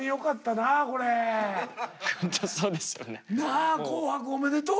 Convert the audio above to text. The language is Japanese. なあ「紅白」おめでとう。